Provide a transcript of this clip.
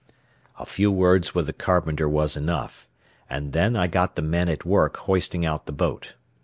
A few words with the carpenter was enough, and then I got the men at work hoisting out the boat.